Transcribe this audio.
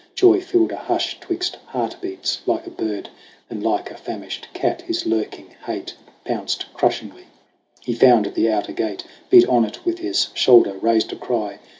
Joy filled a hush 'twixt heart beats like a bird ; Then like a famished cat his lurking hate Pounced crushingly. He found the outer gate, Beat on it with his shoulder, raised a cry.